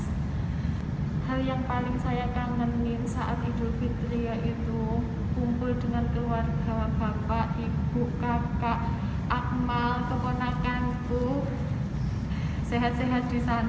hal yang paling saya kangenin saat hidup fitria itu kumpul dengan keluarga bapak ibu kakak akmal keponakanku sehat sehat di sana